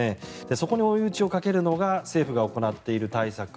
そこに追い打ちをかけるのが政府が行っている対策